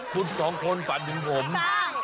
คุณสองคนฝันถึงผม